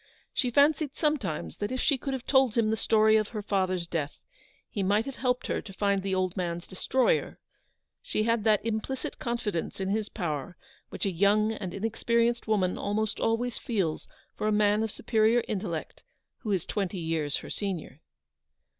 She fancied sometimes that if she could have told him the story of her father's death, he might have helped her to find the old man's destroyer. She had that implicit confidence in his power which a young and inexperienced woman almost always feels for a man of superior intellect who is twenty years her senior.